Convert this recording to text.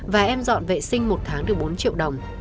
và em dọn vệ sinh một tháng được bốn triệu đồng